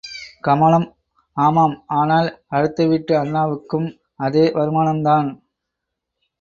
கமலம் ஆமாம், ஆனால் அடுத்த விட்டு அண்ணாவுக்கும் அதே வருமானம் தான்.